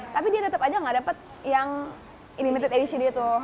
tapi dia tetap aja gak dapet yang limited edition itu